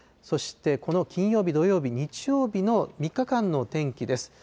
そしてこの金曜日、土曜日、日曜日の３日間の天気です。